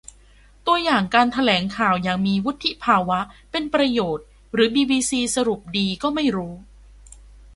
ตัวอย่างการแถลงข่าวอย่างมีวุฒิภาวะ เป็นประโยชน์ หรือบีบีซีสรุปดีก็ไม่รู้